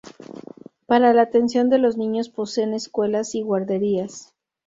Para la atención de los niños poseen escuelas y guarderías.